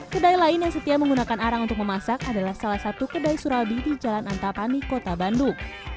kedai lain yang setia menggunakan arang untuk memasak adalah salah satu kedai surabi di jalan antapani kota bandung